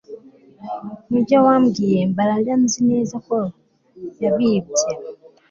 Nibyo wabwiye Mbaraga Nzi neza koyabibye